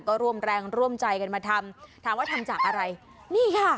ก็ร่วมแรงร่วมใจกันมาทำถามว่าทำจากอะไรนี่ค่ะ